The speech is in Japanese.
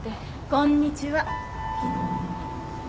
こんにちは。